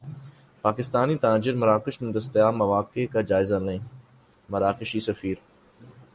پاکستانی تاجر مراکش میں دستیاب مواقع کا جائزہ لیں مراکشی سفیر